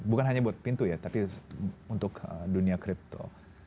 bukan hanya buat pintu ya tapi untuk dunia crypto